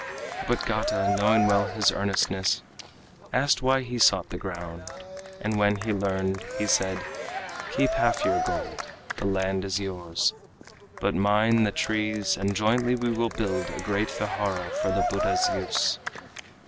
But Gata, knowing well his earnestness, Asked why he sought the ground; and when he learned, He said: "Keep half your gold; the land is yours, But mine the trees, and jointly we will build A great vihara for the Buddha's use."